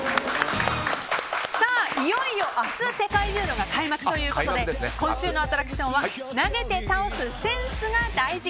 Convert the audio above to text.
いよいよ明日世界柔道が開幕ということで今週のアトラクションは投げて倒すセンスが大事！